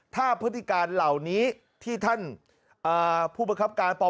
ถ้าพฤติการเหล่านี้ที่ท่านผู้ประคับการปป